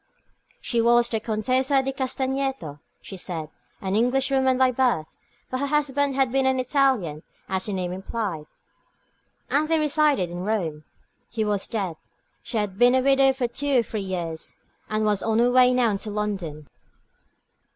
She was the Contessa di Castagneto, she said, an Englishwoman by birth; but her husband had been an Italian, as the name implied, and they resided in Rome. He was dead she had been a widow for two or three years, and was on her way now to London.